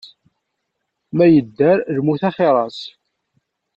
Ma yedder, lmut axir-as.